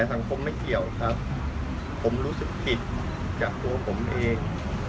สังคมไม่เกี่ยวครับผมรู้สึกผิดจากตัวผมเอง